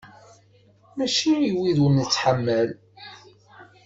Mačči i wid ur nettḥamal.